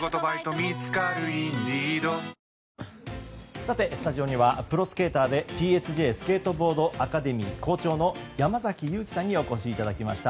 さて、スタジオにはプロスケーターでＰＳＪスケートボードアカデミー校長の山崎勇亀さんにお越しいただきました。